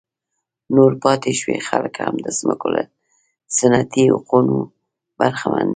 نور پاتې شوي خلک هم د ځمکو له سنتي حقونو برخمن دي.